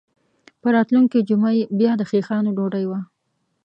په راتلونکې جمعه یې بیا د خیښانو ډوډۍ وه.